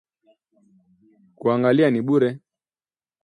Kuangalia ni bure